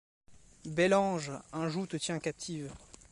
Bel ange, un joug te tient captive